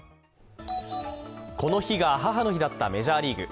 この日が母の日だったメジャーリーグ。